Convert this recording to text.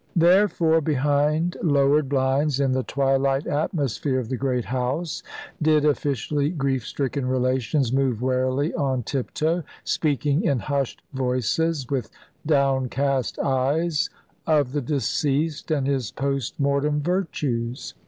Therefore, behind lowered blinds, in the twilight atmosphere of the great house, did officially grief stricken relations move warily on tiptoe, speaking in hushed voices, with downcast eyes, of the deceased and his post mortem virtues.